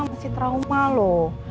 masih trauma loh